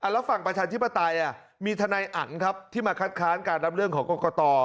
แล้วฝั่งประชาธิปไตยมีทนายอันครับที่มาคัดค้านการรับเรื่องของกรกต